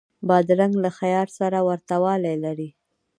بادرنګ له خیار سره ورته والی لري.